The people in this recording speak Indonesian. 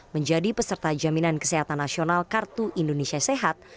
menjadi peserta jaminan kesehatan nasional kartu indonesia sehat